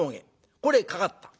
これへかかった。